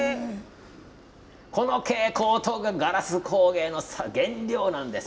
これがガラス工芸の原料なんです。